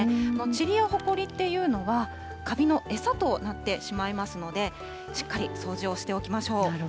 ちりやほこりっていうのは、カビの餌となってしまいますので、しっかり掃除をしておきましょう。